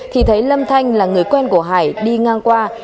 thì thấy lâm thanh là người quen của hải đi ngang qua